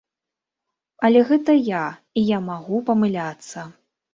Але гэта я, і я магу памыляцца.